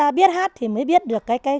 hát ra biết hát thì mới biết được cái hay của nó